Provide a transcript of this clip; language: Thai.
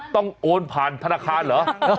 โอนผ่านธนาคารเหรอ